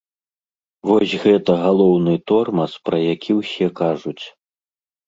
Вось гэта галоўны тормаз, пра які ўсе кажуць.